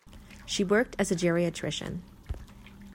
She worked as a geriatrician.